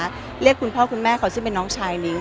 ก็เรียกคุณพ่อคุณแม่เขาซึ่งเป็นน้องชายนิ้ง